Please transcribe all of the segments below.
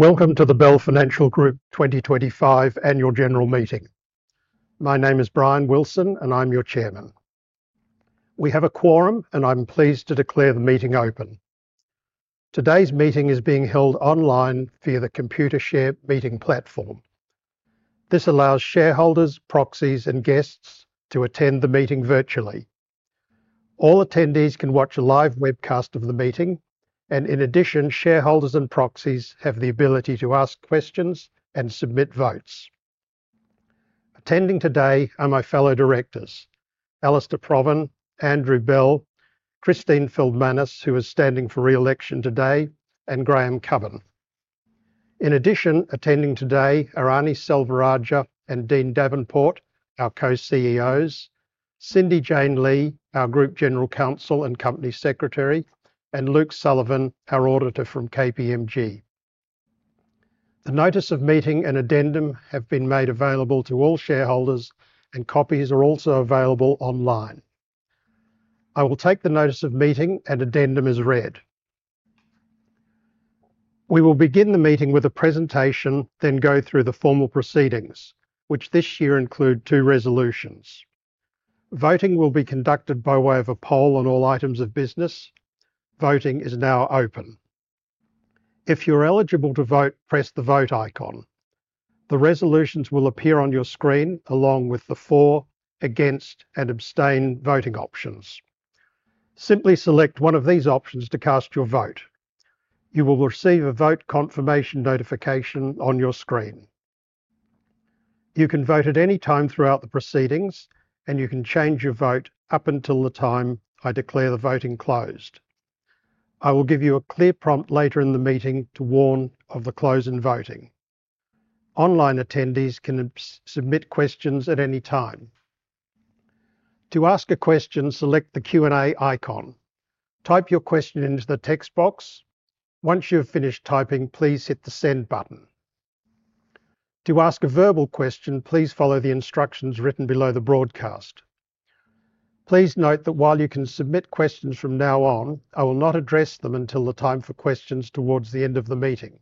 Welcome to the Bell Financial Group 2025 Annual General Meeting. My name is Brian Wilson, and I'm your Chairman. We have a quorum, and I'm pleased to declare the meeting open. Today's meeting is being held online via the Computershare Meeting platform. This allows shareholders, proxies, and guests to attend the meeting virtually. All attendees can watch a live webcast of the meeting, and in addition, shareholders and proxies have the ability to ask questions and submit votes. Attending today are my fellow directors: Alastair Provan, Andrew Bell, Christine Feldmanis, who is standing for re-election today, and Graham Cubbin. In addition, attending today are Arnie Selvarajah and Dean Davenport, our Co-CEOs; Cindy-Jane Lee, our Group General Counsel and Company Secretary; and Luke Sullivan, our auditor from KPMG. The Notice of Meeting and Addendum have been made available to all shareholders, and copies are also available online. I will take the Notice of Meeting, and Addendum as read. We will begin the meeting with a presentation, then go through the formal proceedings, which this year include two resolutions. Voting will be conducted by way of a poll on all items of business. Voting is now open. If you're eligible to vote, press the vote icon. The resolutions will appear on your screen along with the for, against, and abstain voting options. Simply select one of these options to cast your vote. You will receive a vote confirmation notification on your screen. You can vote at any time throughout the proceedings, and you can change your vote up until the time I declare the voting closed. I will give you a clear prompt later in the meeting to warn of the closing of voting. Online attendees can submit questions at any time. To ask a question, select the Q&A icon. Type your question into the text box. Once you have finished typing, please hit the send button. To ask a verbal question, please follow the instructions written below the broadcast. Please note that while you can submit questions from now on, I will not address them until the time for questions towards the end of the meeting.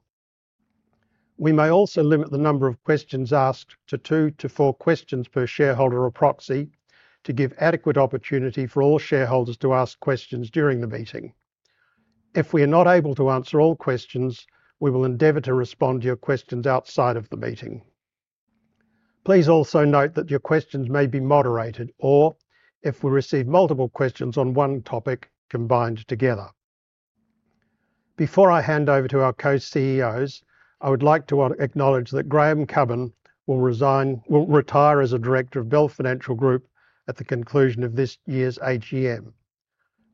We may also limit the number of questions asked to two to four questions per shareholder or proxy to give adequate opportunity for all shareholders to ask questions during the meeting. If we are not able to answer all questions, we will endeavor to respond to your questions outside of the meeting. Please also note that your questions may be moderated or if we receive multiple questions on one topic combined together. Before I hand over to our co-CEOs, I would like to acknowledge that Graham Cubbin will retire as a Director of Bell Financial Group at the conclusion of this year's AGM.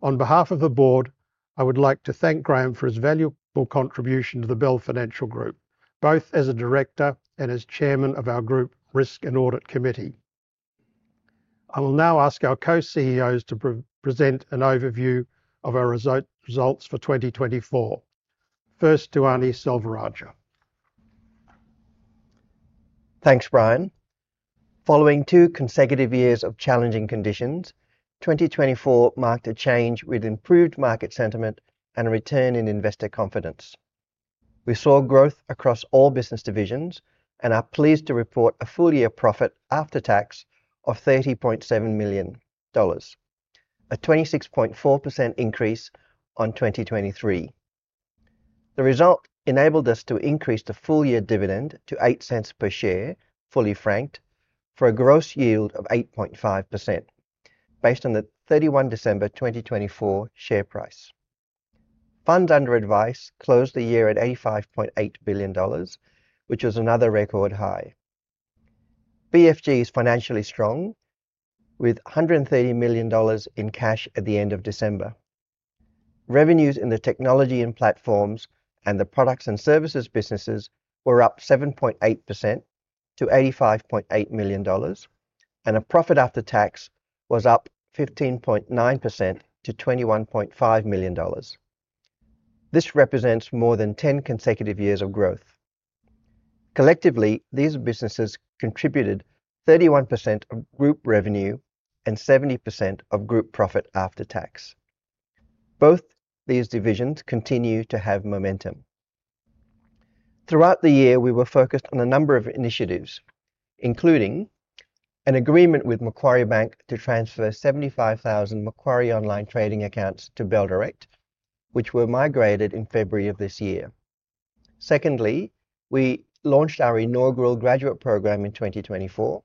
On behalf of the board, I would like to thank Graham for his valuable contribution to the Bell Financial Group, both as a Director and as Chairman of our Group Risk and Audit Committee. I will now ask our co-CEOs to present an overview of our results for 2024. First, to Arnie Selvarajah. Thanks, Brian. Following two consecutive years of challenging conditions, 2024 marked a change with improved market sentiment and a return in investor confidence. We saw growth across all business divisions and are pleased to report a full-year profit after tax of 30.7 million dollars, a 26.4% increase on 2023. The result enabled us to increase the full-year dividend to 0.08 per share, fully franked, for a gross yield of 8.5% based on the 31 December 2024 share price. Funds under advice closed the year at 85.8 billion dollars, which was another record high. BFG is financially strong, with 130 million dollars in cash at the end of December. Revenues in the technology and platforms and the products and services businesses were up 7.8% to 85.8 million dollars, and a profit after tax was up 15.9% to 21.5 million dollars. This represents more than 10 consecutive years of growth. Collectively, these businesses contributed 31% of group revenue and 70% of group profit after tax. Both these divisions continue to have momentum. Throughout the year, we were focused on a number of initiatives, including an agreement with Macquarie Bank to transfer 75,000 Macquarie online trading accounts to Bell Direct, which were migrated in February of this year. Secondly, we launched our inaugural graduate program in 2024,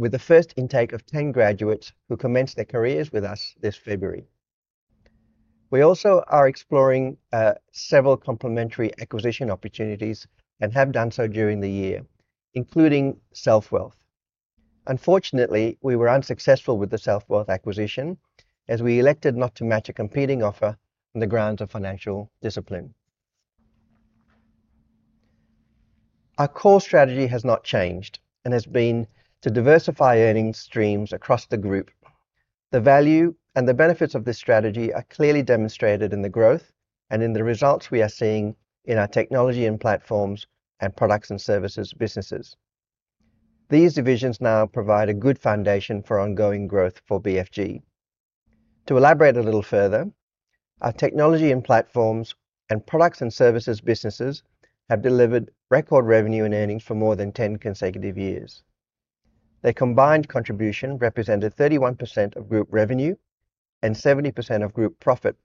with the first intake of 10 graduates who commenced their careers with us this February. We also are exploring several complementary acquisition opportunities and have done so during the year, including Selfwealth. Unfortunately, we were unsuccessful with the Selfwealth acquisition as we elected not to match a competing offer on the grounds of financial discipline. Our core strategy has not changed and has been to diversify earnings streams across the group. The value and the benefits of this strategy are clearly demonstrated in the growth and in the results we are seeing in our technology and platforms and products and services businesses. These divisions now provide a good foundation for ongoing growth for BFG. To elaborate a little further, our technology and platforms and products and services businesses have delivered record revenue and earnings for more than 10 consecutive years. Their combined contribution represented 31% of group revenue and 70% of group profit,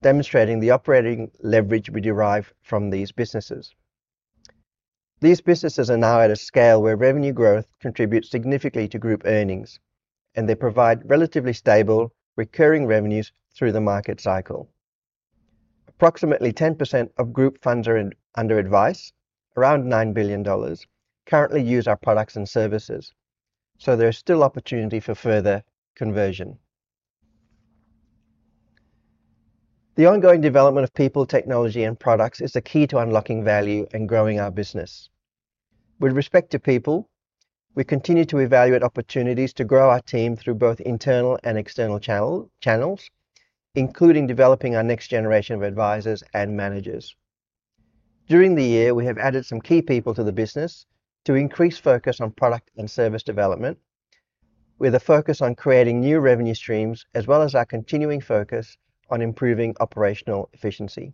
demonstrating the operating leverage we derive from these businesses. These businesses are now at a scale where revenue growth contributes significantly to group earnings, and they provide relatively stable recurring revenues through the market cycle. Approximately 10% of group funds are under advice, around 9 billion dollars, currently use our products and services, so there is still opportunity for further conversion. The ongoing development of people, technology, and products is the key to unlocking value and growing our business. With respect to people, we continue to evaluate opportunities to grow our team through both internal and external channels, including developing our next generation of advisors and managers. During the year, we have added some key people to the business to increase focus on product and service development, with a focus on creating new revenue streams as well as our continuing focus on improving operational efficiency.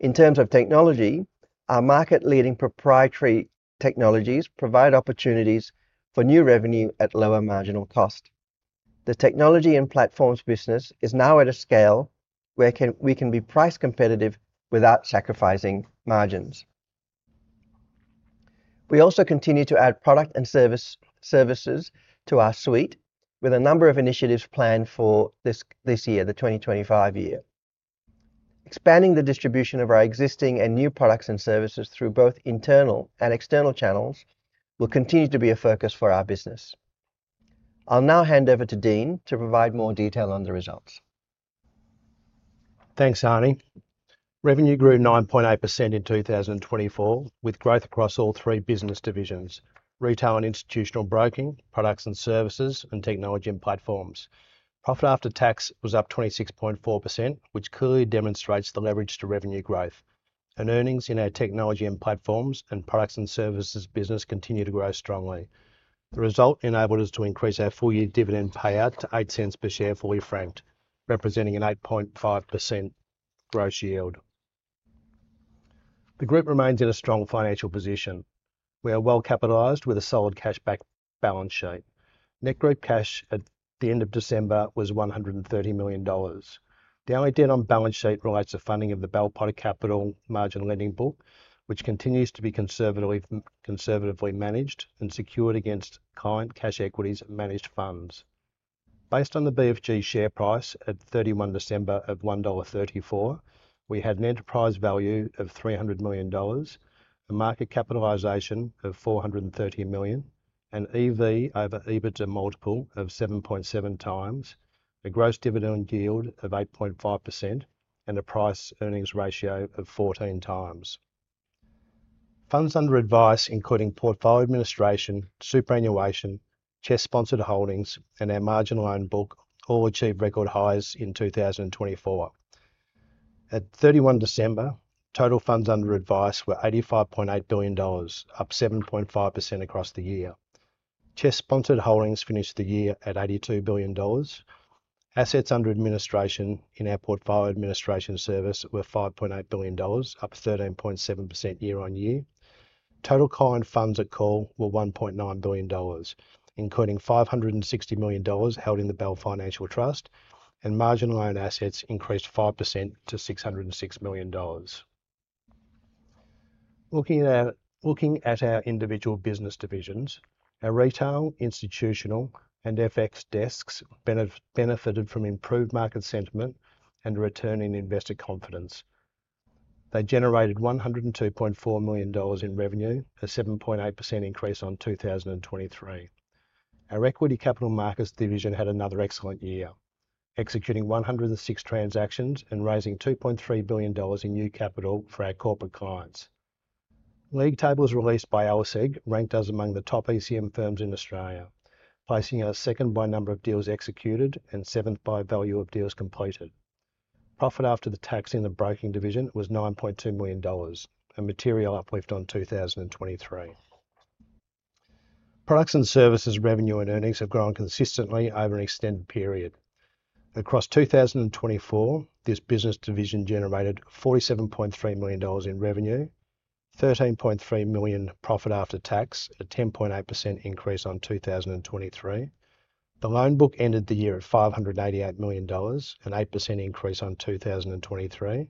In terms of technology, our market-leading proprietary technologies provide opportunities for new revenue at lower marginal cost. The technology and platforms business is now at a scale where we can be price competitive without sacrificing margins. We also continue to add product and service offerings to our suite, with a number of initiatives planned for this year, the 2025 year. Expanding the distribution of our existing and new products and services through both internal and external channels will continue to be a focus for our business. I'll now hand over to Dean to provide more detail on the results. Thanks, Arnie. Revenue grew 9.8% in 2024, with growth across all three business divisions: retail and institutional broking, products and services, and technology and platforms. Profit after tax was up 26.4%, which clearly demonstrates the leverage to revenue growth. Earnings in our technology and platforms and products and services business continue to grow strongly. The result enabled us to increase our full-year dividend payout to 0.08 per share, fully franked, representing an 8.5% gross yield. The group remains in a strong financial position. We are well capitalized with a solid cash-backed balance sheet. Net group cash at the end of December was 130 million dollars. The only debt on balance sheet relates to funding of the Bell Potter Capital Margin Lending Book, which continues to be conservatively managed and secured against client cash equities and managed funds. Based on the BFG share price at 31 December of 1.34 dollar, we had an enterprise value of 300 million dollars, a market capitalisation of 430 million, an EV over EBITDA multiple of 7.7x, a gross dividend yield of 8.5%, and a price-earnings ratio of 14x. Funds under advice, including portfolio administration, superannuation, CHESS-sponsored holdings, and our margin lending book, all achieved record highs in 2024. At 31 December, total funds under advice were 85.8 billion dollars, up 7.5% across the year. CHESS-sponsored holdings finished the year at AUD 82 billion. Assets under administration in our Portfolio Administration Service were AUD 5.8 billion, up 13.7% year-on-year. Total client funds at call were AUD 1.9 billion, including AUD 560 million held in the Bell Financial Trust, and margin lending assets increased 5% to AUD 606 million. Looking at our individual business divisions, our retail, institutional, and FX desks benefited from improved market sentiment and a return in investor confidence. They generated 102.4 million dollars in revenue, a 7.8% increase on 2023. Our equity capital markets division had another excellent year, executing 106 transactions and raising 2.3 billion dollars in new capital for our corporate clients. League tables released by [ASX] ranked us among the top ECM firms in Australia, placing us second by number of deals executed and seventh by value of deals completed. Profit after the tax in the broking division was 9.2 million dollars, a material uplift on 2023. Products and services revenue and earnings have grown consistently over an extended period. Across 2024, this business division generated 47.3 million dollars in revenue, 13.3 million profit after tax, a 10.8% increase on 2023. The loan book ended the year at 588 million dollars, an 8% increase on 2023.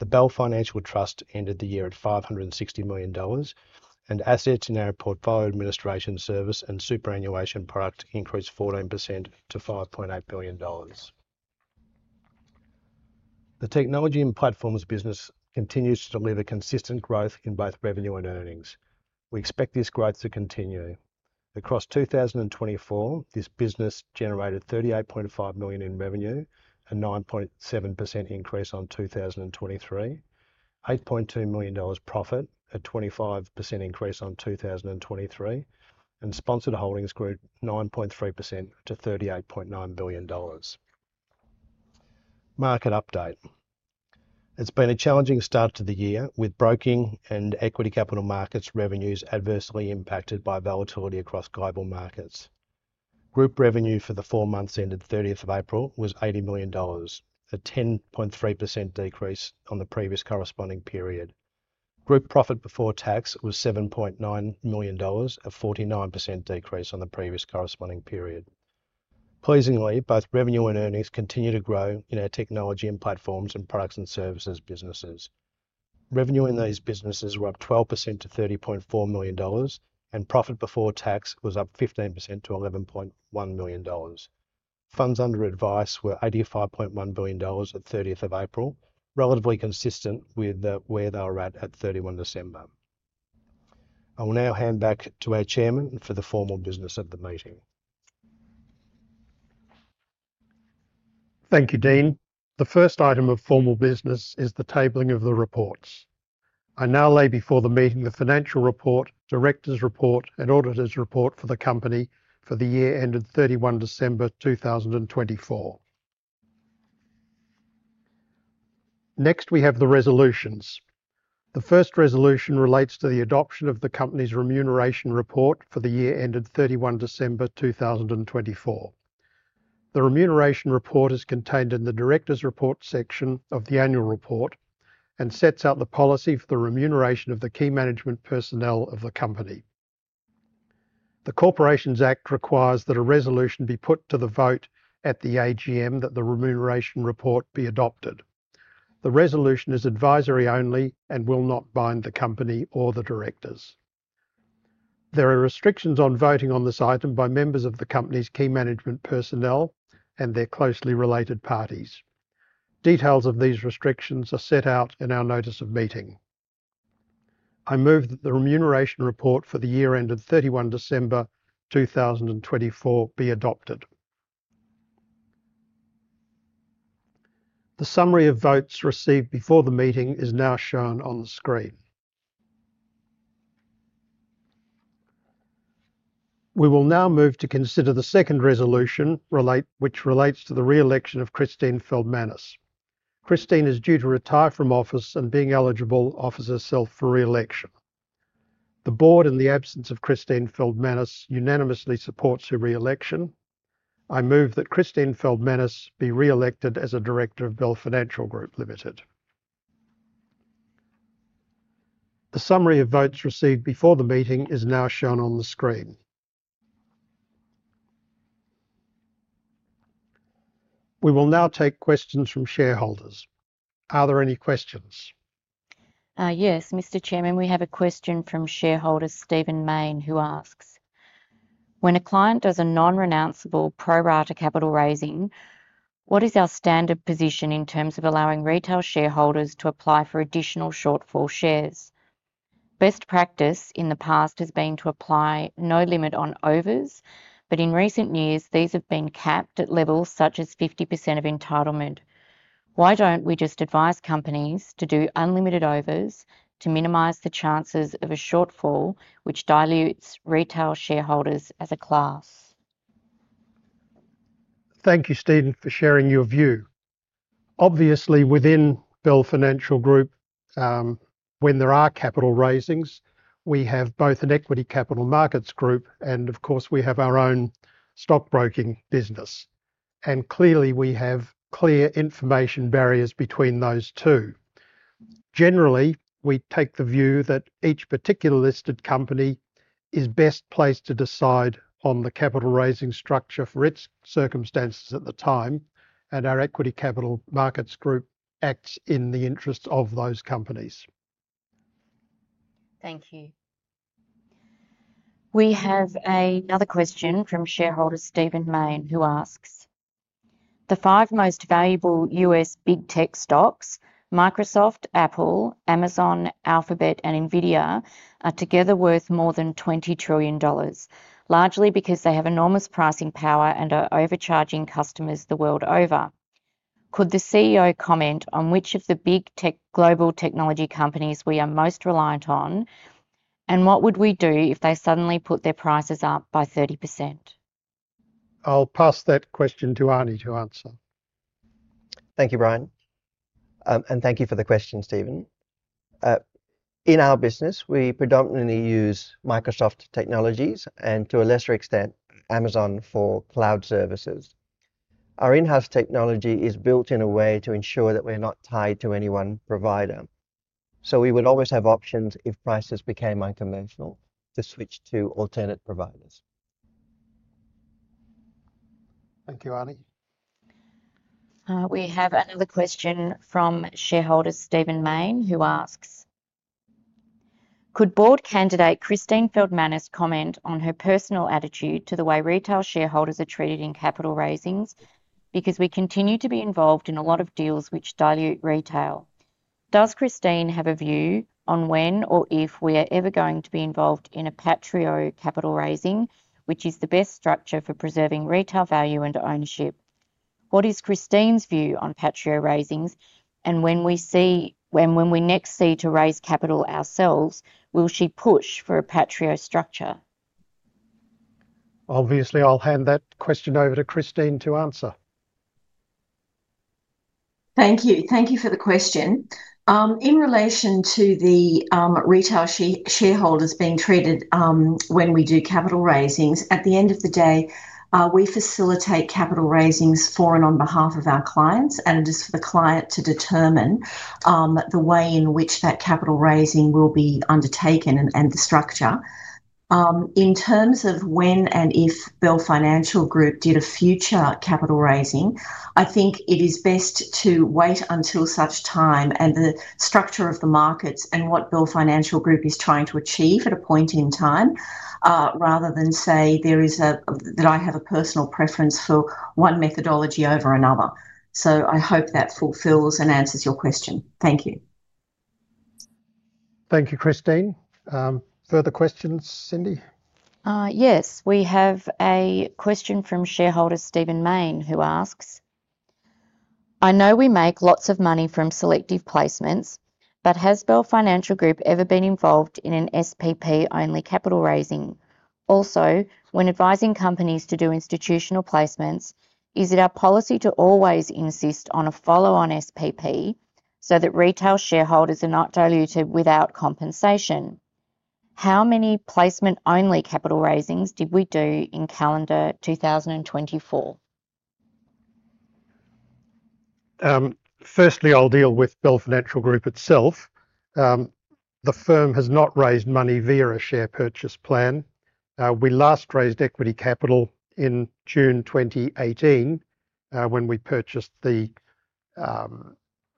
The Bell Financial Trust ended the year at 560 million dollars, and assets in our portfolio administration service and superannuation product increased 14% to 5.8 billion dollars. The technology and platforms business continues to deliver consistent growth in both revenue and earnings. We expect this growth to continue. Across 2024, this business generated 38.5 million in revenue, a 9.7% increase on 2023, 8.2 million dollars profit, a 25% increase on 2023, and sponsored holdings grew 9.3% to 38.9 billion dollars. Market update. It's been a challenging start to the year with broking and equity capital markets revenues adversely impacted by volatility across global markets. Group revenue for the four months ended 30 April was 80 million dollars, a 10.3% decrease on the previous corresponding period. Group profit before tax was 7.9 million dollars, a 49% decrease on the previous corresponding period. Pleasingly, both revenue and earnings continue to grow in our technology and platforms and products and services businesses. Revenue in these businesses were up 12% to 30.4 million dollars, and profit before tax was up 15% to 11.1 million dollars. Funds under advice were 85.1 billion dollars at 30 April, relatively consistent with where they were at at 31 December. I will now hand back to our Chairman for the formal business of the meeting. Thank you, Dean. The first item of formal business is the tabling of the reports. I now lay before the meeting the financial report, director's report, and auditor's report for the company for the year ended 31 December 2024. Next, we have the resolutions. The first resolution relates to the adoption of the company's remuneration report for the year ended 31 December 2024. The remuneration report is contained in the director's report section of the annual report and sets out the policy for the remuneration of the key management personnel of the company. The Corporations Act requires that a resolution be put to the vote at the AGM that the remuneration report be adopted. The resolution is advisory only and will not bind the company or the directors. There are restrictions on voting on this item by members of the company's key management personnel and their closely related parties. Details of these restrictions are set out in our notice of meeting. I move that the remuneration report for the year ended 31 December 2024 be adopted. The summary of votes received before the meeting is now shown on the screen. We will now move to consider the second resolution, which relates to the re-election of Christine Feldmanis. Christine is due to retire from office and being eligible offers herself for re-election. The board, in the absence of Christine Feldmanis, unanimously supports her re-election. I move that Christine Feldmanis be re-elected as a director of Bell Financial Group. The summary of votes received before the meeting is now shown on the screen. We will now take questions from shareholders. Are there any questions? Yes, Mr. Chairman. We have a question from shareholder Stephen Main, who asks, "When a client does a non-renounceable pro-rata capital raising, what is our standard position in terms of allowing retail shareholders to apply for additional shortfall shares? Best practice in the past has been to apply no limit on overs, but in recent years, these have been capped at levels such as 50% of entitlement. Why don't we just advise companies to do unlimited overs to minimize the chances of a shortfall, which dilutes retail shareholders as a class? Thank you, Stephen, for sharing your view. Obviously, within Bell Financial Group, when there are capital raisings, we have both an equity capital markets group and, of course, we have our own stockbroking business. Clearly, we have clear information barriers between those two. Generally, we take the view that each particular listed company is best placed to decide on the capital raising structure for its circumstances at the time, and our equity capital markets group acts in the interests of those companies. Thank you. We have another question from shareholder Stephen Main, who asks, "The five most valuable U.S. big tech stocks, Microsoft, Apple, Amazon, Alphabet, and NVIDIA, are together worth more than $20 trillion, largely because they have enormous pricing power and are overcharging customers the world over. Could the CEO comment on which of the big global technology companies we are most reliant on, and what would we do if they suddenly put their prices up by 30%? I'll pass that question to Arnie to answer. Thank you, Brian, and thank you for the question, Stephen. In our business, we predominantly use Microsoft technologies and, to a lesser extent, Amazon for cloud services. Our in-house technology is built in a way to ensure that we're not tied to any one provider. We would always have options if prices became unconventional to switch to alternate providers. Thank you, Arnie. We have another question from shareholder Stephen Main, who asks, "Could board candidate Christine Feldmanis comment on her personal attitude to the way retail shareholders are treated in capital raisings because we continue to be involved in a lot of deals which dilute retail? Does Christine have a view on when or if we are ever going to be involved in a pro-rata capital raising, which is the best structure for preserving retail value and ownership? What is Christine's view on pro-rata raisings? When we next see to raise capital ourselves, will she push for a pro-rata structure? Obviously, I'll hand that question over to Christine to answer. Thank you. Thank you for the question. In relation to the retail shareholders being treated when we do capital raisings, at the end of the day, we facilitate capital raisings for and on behalf of our clients, and it is for the client to determine the way in which that capital raising will be undertaken and the structure. In terms of when and if Bell Financial Group did a future capital raising, I think it is best to wait until such time and the structure of the markets and what Bell Financial Group is trying to achieve at a point in time, rather than say that I have a personal preference for one methodology over another. I hope that fulfills and answers your question. Thank you. Thank you, Christine. Further questions, Cindy? Yes, we have a question from shareholder Stephen Main, who asks, "I know we make lots of money from selective placements, but has Bell Financial Group ever been involved in an SPP-only capital raising? Also, when advising companies to do institutional placements, is it our policy to always insist on a follow-on SPP so that retail shareholders are not diluted without compensation? How many placement-only capital raisings did we do in calendar 2024? Firstly, I'll deal with Bell Financial Group itself. The firm has not raised money via a share purchase plan. We last raised equity capital in June 2018 when we purchased the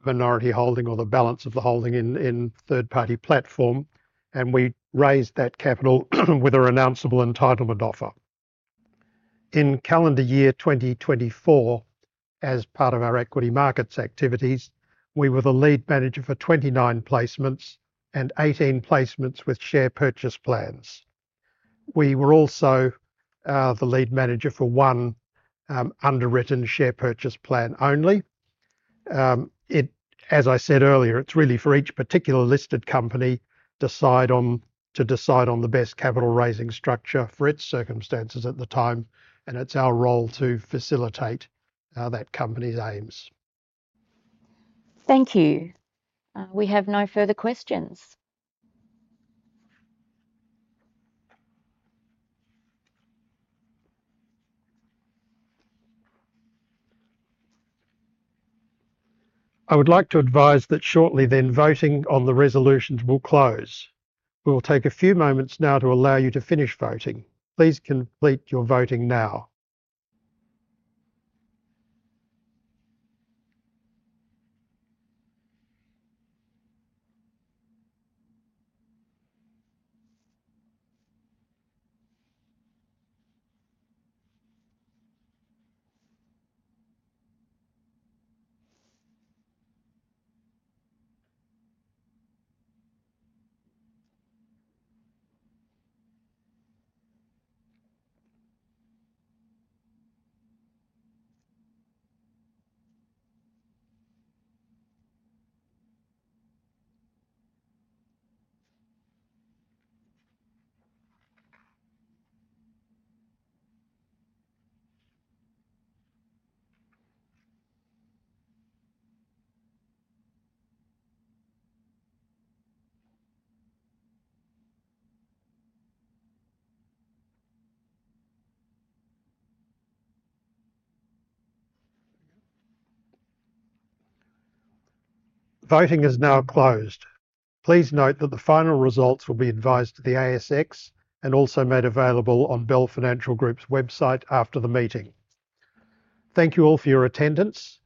minority holding or the balance of the holding in a third-party platform, and we raised that capital with a renounceable entitlement offer. In calendar year 2024, as part of our equity markets activities, we were the lead manager for 29 placements and 18 placements with share purchase plans. We were also the lead manager for one underwritten share purchase plan only. As I said earlier, it's really for each particular listed company to decide on the best capital raising structure for its circumstances at the time, and it's our role to facilitate that company's aims. Thank you. We have no further questions. I would like to advise that shortly the voting on the resolutions will close. We will take a few moments now to allow you to finish voting. Please complete your voting now. Voting is now closed. Please note that the final results will be advised to the ASX and also made available on Bell Financial Group's website after the meeting. Thank you all for your attendance.